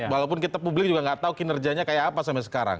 walaupun kita publik juga nggak tahu kinerjanya kayak apa sampai sekarang